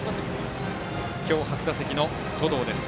今日、初打席の登藤です。